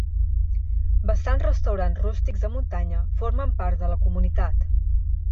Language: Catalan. Bastants restaurants rústics de muntanya, formen part de la comunitat.